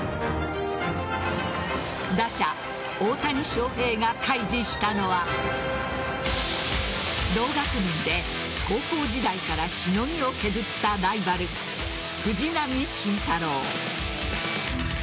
打者・大谷翔平が対峙したのは同学年で高校時代からしのぎを削ったライバル藤浪晋太郎。